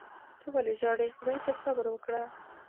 ته ولي ژاړې . خدای ته صبر وکړه